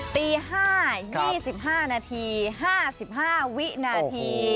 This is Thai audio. ตี๕๒๕นาที๕๕วินาที